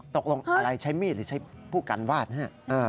ตกลงอะไรใช้มีดหรือใช้ผู้การวาดนะฮะ